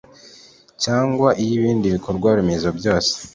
Cyangwa iy ibindi bikorwaremezo byose